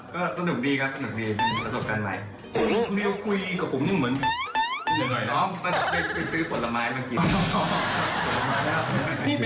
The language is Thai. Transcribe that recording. ก็สนุกดีครับสนุกดี